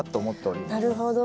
なるほど。